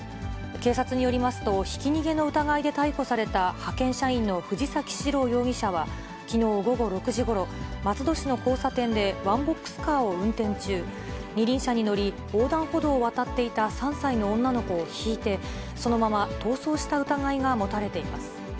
警察によりますと、ひき逃げの疑いで逮捕された派遣社員の藤崎士郎容疑者は、きのう午後６時ごろ、松戸市の交差点でワンボックスカーを運転中、二輪車に乗り横断歩道を渡っていた３歳の女の子をひいて、そのまま逃走した疑いが持たれています。